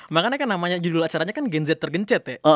makanya kan namanya judul acaranya kan genset tergencet ya